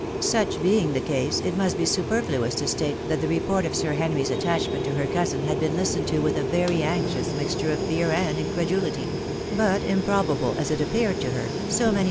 Such being the case, it must be superfluous to state that the report of Sir Henry's attachment to her cousin had been listened to with a very anxious mixture of fear and incredulity ; but, improbable as it appeared to her, so many S48 THE WIDOW MARRIED.